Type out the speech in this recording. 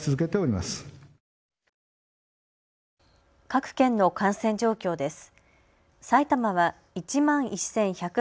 各県の感染状況です。